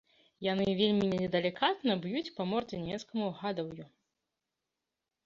Яны вельмі недалікатна б'юць па мордзе нямецкаму гадаўю.